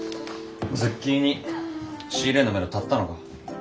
ズッキーニ仕入れのめど立ったのか？